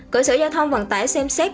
cửa sở giao thông vận tải xem xét